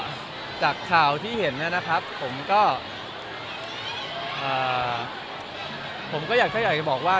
ก็จากข่าวที่เห็นนะครับผมก็อ่าผมก็อยากแค่อยากจะบอกว่า